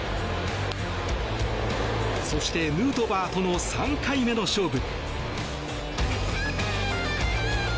そして、ヌートバーとの３回目の勝負。